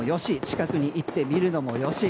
近くに行って見るのもよし。